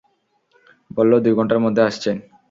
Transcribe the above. বললো দুই ঘন্টার মধ্যে আসছেন।